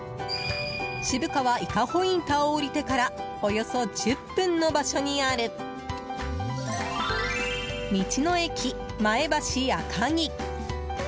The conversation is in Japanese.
渋川伊香保インターを下りてからおよそ１０分の場所にある道の駅まえばし赤城。